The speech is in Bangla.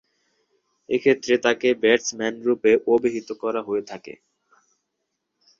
এক্ষেত্রে তাকে ব্যাটসম্যানরূপে অভিহিত করা হয়ে থাকে।